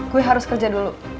gue harus kerja dulu